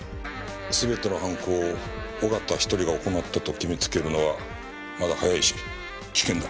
全ての犯行を小形一人が行ったと決めつけるのはまだ早いし危険だ。